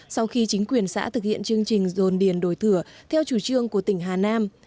sau khi chính quyền xã thực hiện chương trình dồn điền đổi thửa theo chủ trương của tỉnh hà nam